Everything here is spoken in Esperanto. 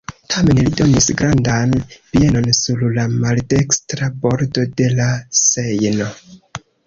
Tamen li donis grandan bienon sur la maldekstra bordo de la Sejno.